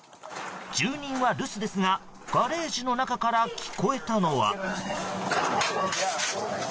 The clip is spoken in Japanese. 住人は留守ですがガレージの中から聞こえたのは。